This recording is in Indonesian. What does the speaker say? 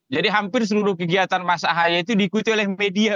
jadi hampir seluruh kegiatan mas ahi itu diikuti oleh media